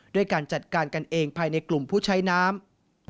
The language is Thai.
ด้วยการจัดการกันเองภายในกลุ่มผู้ใช้น้ำ